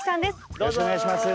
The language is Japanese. よろしくお願いします。